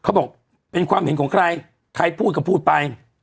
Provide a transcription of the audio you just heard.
เขาบอกเป็นความเห็นของใครใครพูดก็พูดไป